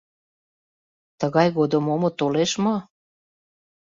Тыгай годым омо толеш мо?